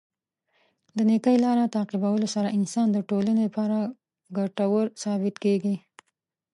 د نېکۍ لاره تعقیبولو سره انسان د ټولنې لپاره ګټور ثابت کیږي.